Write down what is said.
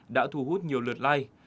đã thu hút nhiều lượt like